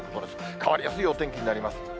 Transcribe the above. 変わりやすいお天気になります。